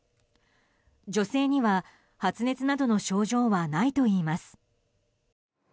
女性には発熱などの症状はないといいます。